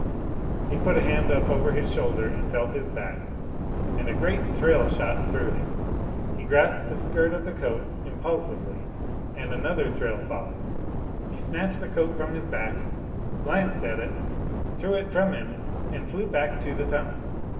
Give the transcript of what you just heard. He put a hand up over his shoulder and felt his back, and a great thrill shot through him. He grasped the skirt of the coat impulsively and another thrill followed. He snatched the coat from his back, glanced at it, threw it from him and flew back to the tunnel.